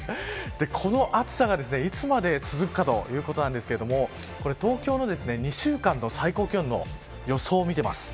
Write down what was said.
この暑さがいつまで続くかということなんですが東京の２週間の最高気温の予想を見ています。